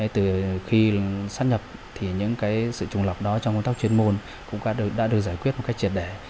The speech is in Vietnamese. từ khi sắp nhập những sự trùng lập đó trong công tác chuyên môn cũng đã được giải quyết một cách triệt đẻ